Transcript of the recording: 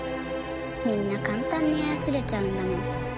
みんな簡単に操れちゃうんだもん。